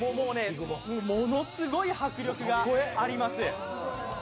ものすごい迫力があります。